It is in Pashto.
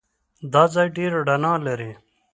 دا ځای ډېر رڼا لري.